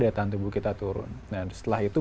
daya tahan tubuh kita turun nah setelah itu